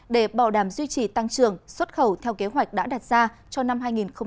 để bảo đảm duy trì tăng trưởng xuất khẩu theo kế hoạch đã đặt ra cho năm hai nghìn hai mươi